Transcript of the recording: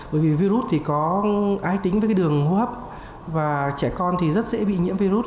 bởi vì virus thì có ai tính với đường hô hấp và trẻ con thì rất dễ bị nhiễm virus